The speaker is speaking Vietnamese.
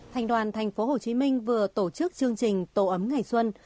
thành đoàn thành phố hồ chí minh vừa tổ chức chương trình tổ ấm ngày xuân